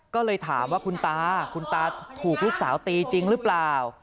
ก็เลยถามว่าคุณตาคุณตาถูกลูกสาวตีจริงหรือเปล่า